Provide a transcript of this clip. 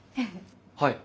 はい。